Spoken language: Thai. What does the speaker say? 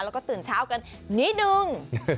แล้วก็ตื่นเช้ากันนิดนึง